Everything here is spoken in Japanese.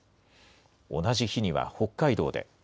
同じ日には北海道で。